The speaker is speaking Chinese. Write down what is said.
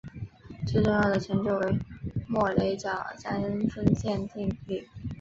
最重要的成就为莫雷角三分线定理。